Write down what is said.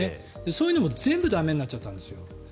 そういうのも全部駄目になっちゃったんですよ。